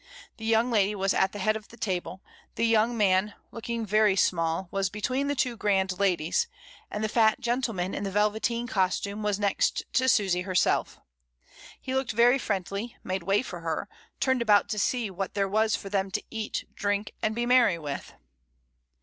The young lady was at the head of the table; the yoimg man, looking very small, was between the two grand ladies; and the fat gentleman in the velveteen cos tume was next to Susy herself. He looked very friendly, made way for her, turned about to see what there was for them to eat, drink, and be merry with.